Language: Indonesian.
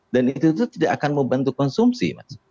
dan itu tidak akan membantu konsumsi